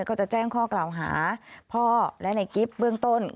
ก็จะแจ้งข้อกล่าวหาพ่อและในกิฟต์เบื้องต้น